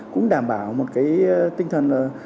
cũng đảm bảo một cái tinh thần